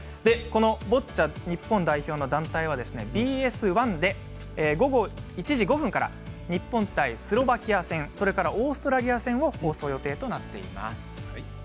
ボッチャ、日本代表の団体はＢＳ１で午後１時５分から日本対スロバキア戦それからオーストラリア戦を放送予定となっています。